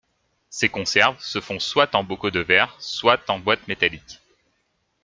Ces conserves se font soit en bocaux de verre soit en boîtes métalliques.